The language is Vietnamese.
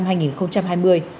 phát biểu của thủ tướng chính phủ là